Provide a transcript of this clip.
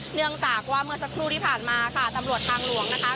เนื่องจากว่าเมื่อสักครู่ที่ผ่านมาค่ะตำรวจทางหลวงนะคะ